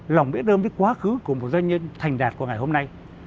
lòng biết ơn với quá khứ của một doanh nhân thành đạt của ngày hôm nay